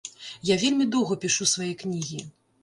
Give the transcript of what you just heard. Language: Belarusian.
Я вельмі доўга пішу свае кнігі.